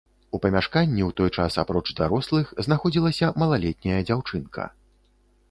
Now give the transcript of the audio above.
У памяшканні ў той час апроч дарослых знаходзілася малалетняя дзяўчынка.